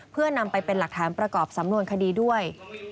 เพื่อนำไปเป็นหลักฐานประกอบสำนวนคดีด้วย